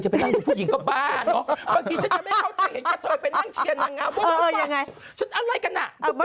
ไปนั่งดูผู้หญิงก็บ้าเนอะ